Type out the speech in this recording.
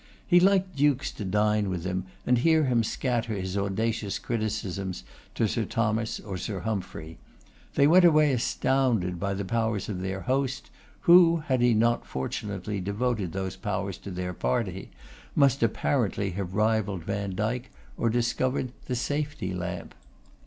He liked dukes to dine with him and hear him scatter his audacious criticisms to Sir Thomas or Sir Humphry. They went away astounded by the powers of their host, who, had he not fortunately devoted those powers to their party, must apparently have rivalled Vandyke, or discovered the safety lamp.